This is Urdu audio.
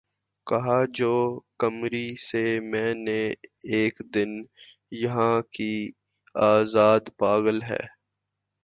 کہا جو قمری سے میں نے اک دن یہاں کے آزاد پاگل ہیں